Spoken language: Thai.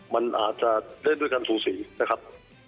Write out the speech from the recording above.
มันอาจจะเล่นด้วยการสูสีนะครับ